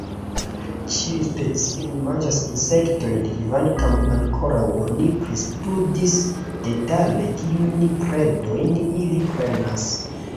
Ĉiuj specioj manĝas insektojn, kvankam ankoraŭ oni ne pristudis detale kiujn predojn ili prenas.